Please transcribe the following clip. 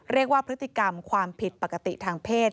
เรียกว่าพฤติกรรมความผิดปกติทางเพศ